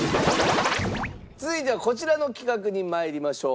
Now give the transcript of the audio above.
続いてはこちらの企画にまいりましょう。